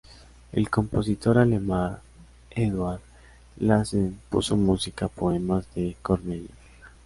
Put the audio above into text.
El compositor alemán Eduard Lassen puso música a poemas de Cornelius.